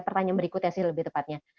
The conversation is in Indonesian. pertanyaan berikutnya sih lebih tepatnya